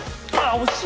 惜しい！